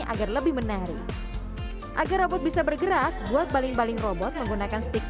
agar lebih menarik agar robot bisa bergerak buat baling baling robot menggunakan stik